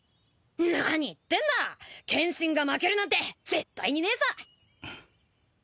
何言ってんだ剣心が負けるなんて絶対にねえさ。